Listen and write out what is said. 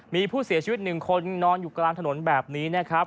มีผู้เสียชีวิตหนึ่งคนนอนอยู่กลางถนนแบบนี้นะครับ